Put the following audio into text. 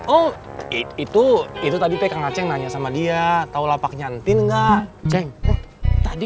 oh itu itu tadi tekan ngajeng nanya sama dia tahu lapaknya ntin enggak ceng tadi